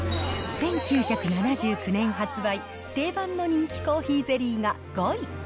１９７９年発売、定番の人気コーヒーゼリーが５位。